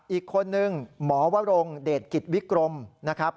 อีกคนนึงหมอวรงเดชกิจวิกรมนะครับ